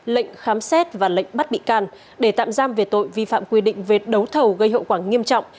lệnh khám xét và lệnh bắt bị can để tạm giam về tội vi phạm quy định về đấu thầu gây hậu quả nghiêm trọng